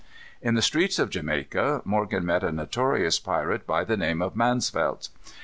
In the streets of Jamaica, Morgan met a notorious pirate by the name of Mansvelt.